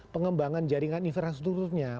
pengembangan jaringan infrastrukturnya